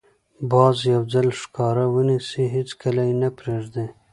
باز یو ځل ښکار ونیسي، هېڅکله یې نه پرېږدي